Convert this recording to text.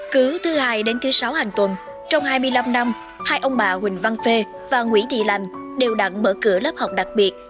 cứ thứ hai đến thứ sáu hàng tuần trong hai mươi năm năm hai ông bà huỳnh văn phê và nguyễn thị lành đều đặn mở cửa lớp học đặc biệt